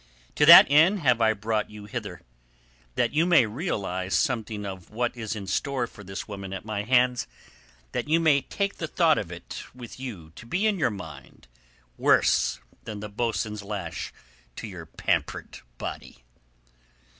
To that end have I brought you hither. That you may realize something of what is in store for this woman at my hands; that you may take the thought of it with you to be to your mind worse than the boatswain's lash to your pampered body."